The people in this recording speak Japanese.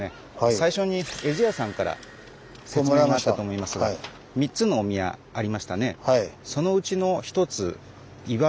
最初に絵図屋さんから説明があったと思いますが３つのお宮ありましたね。